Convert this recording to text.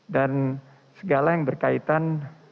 dan segala yang berkaitan